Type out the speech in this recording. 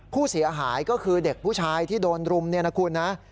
ผู้เสียหายก็คือเด็กผู้ชายที่โดนรุมเนี่ยนะคุณนะ